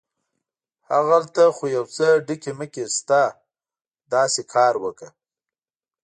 هغلته خو یو څه ډکي مکي شته، داسې کار وکه.